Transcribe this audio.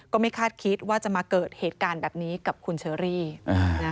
ก็ไม่คาดคิดว่าจะมาเกิดเหตุการณ์แบบนี้กับคุณเชอรี่